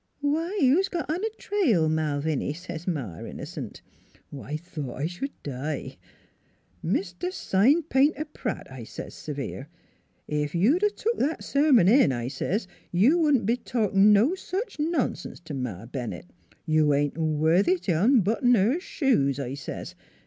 ' Why, who's got on a trail, Malviny?' says Ma, innocent. I thought I sh'd die !' Mr. Sign painter Pratt,' I says severe, ' ef you'd a took that sermon in,' I says, ' you wouldn't be talkin' no sech nonsense t' Ma Bennett. You ain't worthy t' unbutton her shoes,' I says.